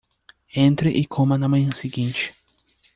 Entre e coma na manhã seguinte